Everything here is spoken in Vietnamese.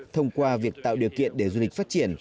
thông qua việc tạo điều kiện để du lịch phát triển